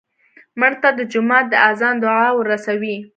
مړه ته د جومات د اذان دعا ورسوې